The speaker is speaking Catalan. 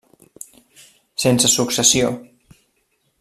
Sense successió.